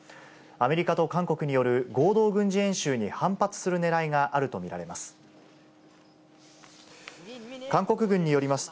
アメリカと韓国による合同軍事演習に反発するねらいがあると見られます。